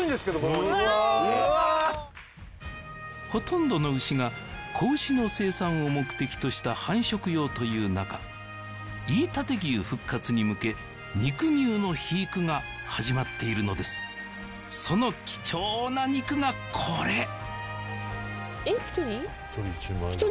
おほとんどの牛が子牛の生産を目的とした繁殖用という中飯舘牛復活に向け肉牛の肥育が始まっているのですその貴重な肉がこれえっ１人？